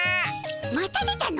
また出たの！